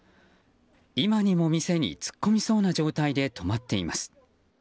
今にも店に突っ込みそうな状態で止まっています。